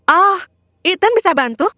oh ethan bisa bantu